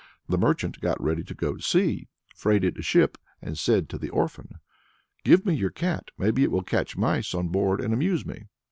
The merchant got ready to go to sea, freighted a ship, and said to the orphan: "Give me your cat; maybe it will catch mice on board, and amuse me."